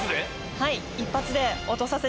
はい。